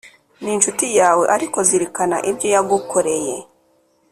N incuti yawe ariko zirikana ibyo yagukoreye